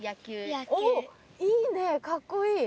おいいね！